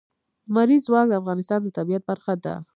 لمریز ځواک د افغانستان د طبیعت برخه ده.